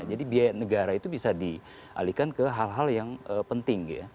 jadi biaya negara itu bisa dialihkan ke hal hal yang penting